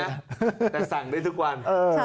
สิ่งคิดนะแต่สั่งได้ทุกวัน